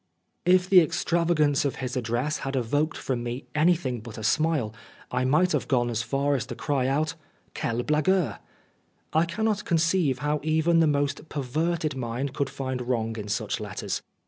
If the extravagance of his address had evoked from me anything but a smile, I might have gone as far as to cry out, " Quel blagueur !" I cannot conceive how even the most perverted mind could find wrong in such letters.